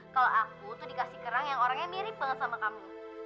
kalau aku tuh dikasih kerang yang orangnya mirip banget sama kami